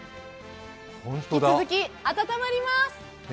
引き続き温まります。